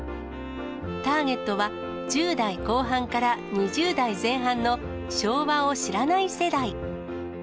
ターゲットは、１０代後半から２０代前半の昭和を知らない世代。